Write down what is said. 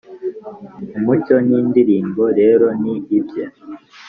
umucyo n'indirimbo rero ni ibye -